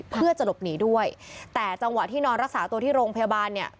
เพื่อจะหลบหนีด้วยแต่จังหวะที่นอนรักษาตัวที่โรงพยาบาลเนี่ย